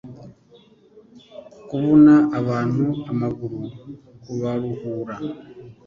kuvuna abantu amaguru kubaruhura